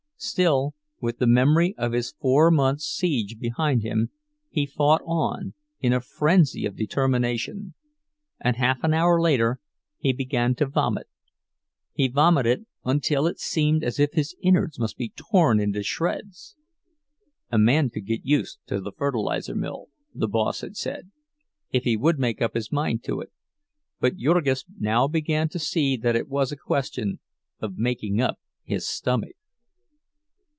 Still, with the memory of his four months' siege behind him, he fought on, in a frenzy of determination; and half an hour later he began to vomit—he vomited until it seemed as if his inwards must be torn into shreds. A man could get used to the fertilizer mill, the boss had said, if he would make up his mind to it; but Jurgis now began to see that it was a question of making up his stomach.